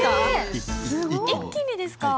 一気にですか？